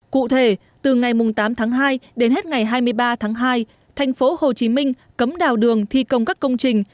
cụ thể từ ngày tám tháng hai đến hết ngày hai mươi ba tháng hai tp hcm cấm đào đường thi công các công trình